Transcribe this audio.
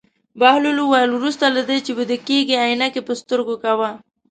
بهلول وویل: وروسته له دې چې ویده کېږې عینکې په سترګو کوه.